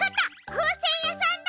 ふうせんやさんだ！